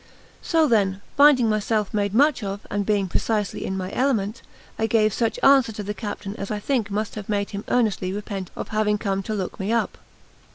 So, then, finding myself made much of, and being precisely in my element, I gave such answer to the captain as I think must have made him earnestly repent of having come to look me up.